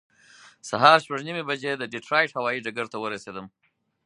سهار شپږ نیمې بجې د ډیټرایټ هوایي ډګر ته ورسېدم.